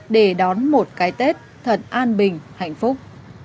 để đón một cái tết thật an bình hạnh phúc